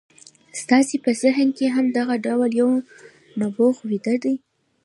ستاسې په ذهن کې هم دغه ډول يو نبوغ ويده دی.